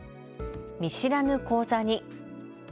見知らぬ口座に。